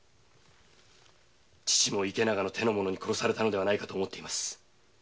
父も池永の手の者に殺されたのではないかと思っています。